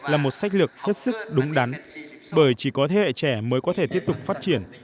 là một sách lực hết sức đúng đắn bởi chỉ có thế hệ trẻ mới có thể tiếp tục phát triển